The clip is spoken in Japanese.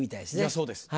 そうです。